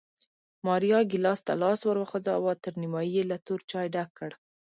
ماریا ګېلاس ته لاس ور وغځاوه، تر نیمایي یې له تور چای ډک کړ